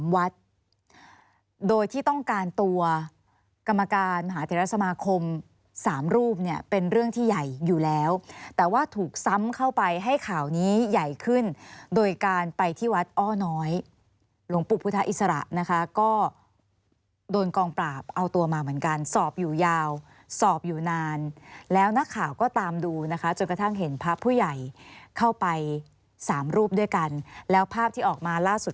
วัดโดยที่ต้องการตัวกรรมการมหาเทรสมาคม๓รูปเนี่ยเป็นเรื่องที่ใหญ่อยู่แล้วแต่ว่าถูกซ้ำเข้าไปให้ข่าวนี้ใหญ่ขึ้นโดยการไปที่วัดอ้อน้อยหลวงปู่พุทธอิสระนะคะก็โดนกองปราบเอาตัวมาเหมือนกันสอบอยู่ยาวสอบอยู่นานแล้วนักข่าวก็ตามดูนะคะจนกระทั่งเห็นพระผู้ใหญ่เข้าไปสามรูปด้วยกันแล้วภาพที่ออกมาล่าสุด